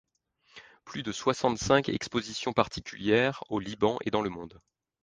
Plus de soixante-cinq expositions particulières au Liban et dans le monde.